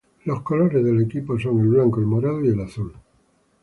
Los colores del equipo son el blanco, el morado y el azul.